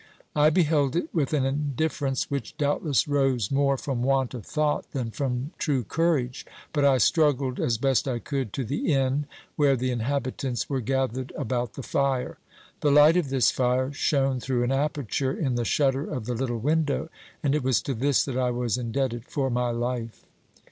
I beheld it with an indifference which doubtless rose more from want of thought than from true courage, but I struggled as I best could to the inn, where the inhabitants were gathered about the fire. The light of this fire shone through an aperture in the shutter of the little window, and it was to this that I was indebted for my life.